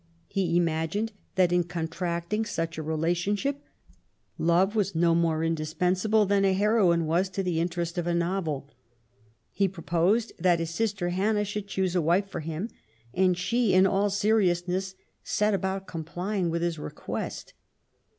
He imagined that in contracting such a relationship^ love was no more indispensable than a heroine was to the interest of a novel. He proposed that his sister Hannah should choose a wife for him : and she, in all seriousness^ set about complying with his request.